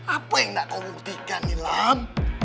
apa yang kau buktikan lam